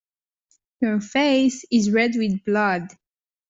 Your face is red with blood.